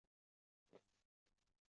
Qizimni ham unutgandim